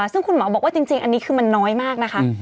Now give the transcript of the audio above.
ซึ่งคุณหมอบอกว่าจริงอันนี้คือมันน้อยมากนะคะ